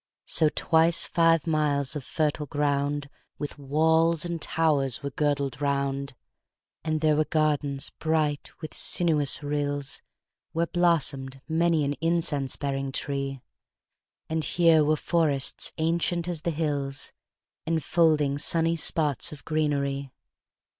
5 So twice five miles of fertile ground With walls and towers were girdled round: And there were gardens bright with sinuous rills Where blossom'd many an incense bearing tree; And here were forests ancient as the hills, 10 Enfolding sunny spots of greenery.